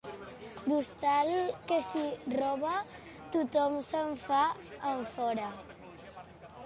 D'hostal que s'hi roba, tothom se'n fa enfora.